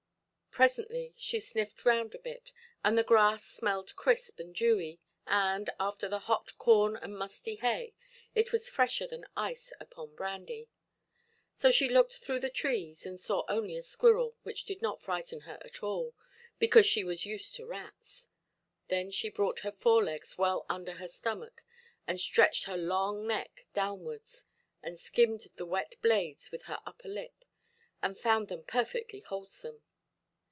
Presently she sniffed round a bit, and the grass smelled crisp and dewy, and, after the hot corn and musty hay, it was fresher than ice upon brandy. So she looked through the trees, and saw only a squirrel, which did not frighten her at all, because she was used to rats. Then she brought her forelegs well under her stomach, and stretched her long neck downwards, and skimmed the wet blades with her upper lip, and found them perfectly wholesome.